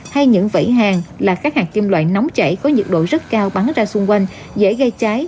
hay những vẩy hàng là các hàng kim loại nóng chảy có nhiệt độ rất cao bắn ra xung quanh dễ gây cháy